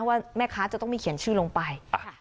ว่าแม่ค้าจะต้องมีเขียนชื่อลงไป